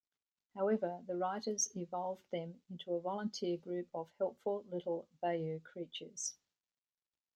However, the writers evolved them into a volunteer group of helpful little bayou creatures.